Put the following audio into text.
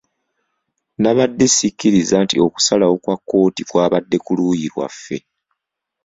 Nabadde sikiriza nti okusalawo kwa kkooti kwabadde ku luuyi lwaffe.